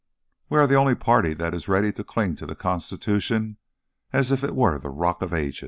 "We are the only party that is ready to cling to the Constitution as if it were the rock of ages."